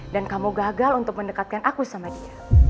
dan kamu gagal untuk mendekatkan aku sama dia